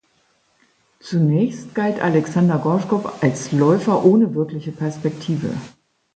Zunächst galt Alexander Gorschkow als Läufer ohne wirkliche Perspektive.